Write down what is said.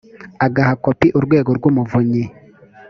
agaha kopi urwego rw umuvunyi